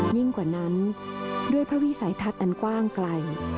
ยิ่งกว่านั้นด้วยพระวิสัยทัศน์อันกว้างไกล